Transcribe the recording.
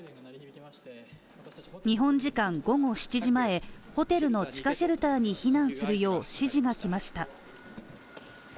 日本時間午後７時前、ホテルの地下シェルターに避難するよう指示が来ました。